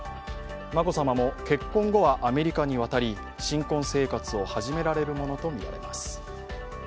眞子さまも結婚後はアメリカに渡り、新婚生活を始められるものとみられます。